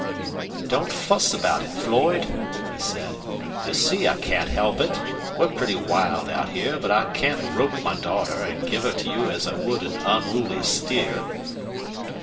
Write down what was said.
"Don't fuss about it, Floyd," he said. "You see I can't help it. We're pretty wild out here, but I can't rope my daughter and give her to you as I would an unruly steer."